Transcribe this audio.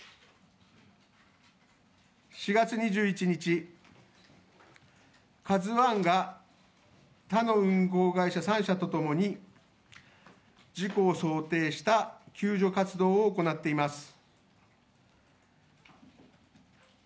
４月２１日、「ＫＡＺＵⅠ」が他の運航会社３社とともに事故を想定した救助活動を行っています。